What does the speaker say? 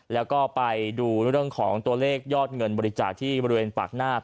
แล้วก็ไปดูเรื่องของตัวเลขยอดเงินบริจาคที่บริเวณปากหน้า